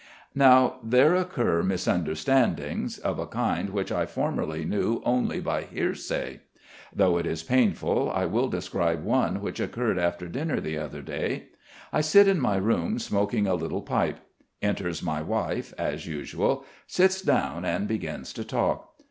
Now there occur misunderstandings, of a kind which I formerly knew only by hearsay. Though it is painful I will describe one which occurred after dinner the other day. I sit in my room smoking a little pipe. Enters my wife, as usual, sits down and begins to talk.